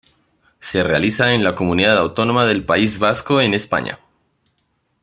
Se realiza en la Comunidad Autónoma del País Vasco, en España.